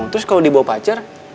terus kalo dia bawa pacar